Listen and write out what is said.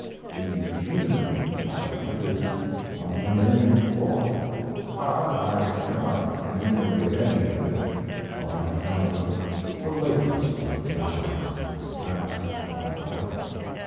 The machinery department is on the main floor, but I cannot enumerate any of it on account of the lateness of the hour (past 1 o'clock).